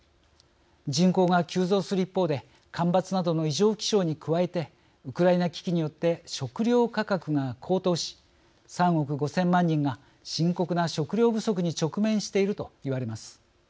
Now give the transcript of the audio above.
人口が急増する一方で干ばつなどの異常気象に加えてウクライナ危機によって食料価格が高騰し３億５０００万人が深刻な食料不足に直面しているといわれます。